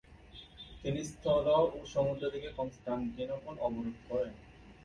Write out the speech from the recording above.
তিনি স্থল ও সমুদ্র থেকে কনস্টান্টিনোপল অবরোধ করেন।